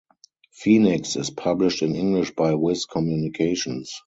Phoenix is published in English by Viz Communications.